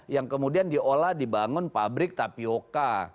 yang kemudian diolah dibangun pabrik tapioca